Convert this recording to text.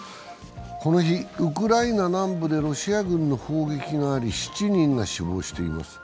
この日、ウクライナ南部でロシア軍の砲撃があり、７人が死亡しています。